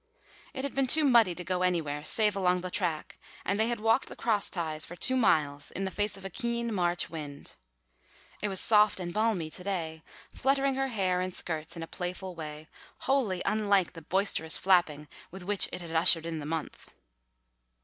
It had been too muddy to go anywhere save along the track and they had walked the cross ties for two miles in the face of a keen March wind. It was soft and balmy to day, fluttering her hair and skirts in a playful way wholly unlike the boisterous flapping with which it had ushered in the month.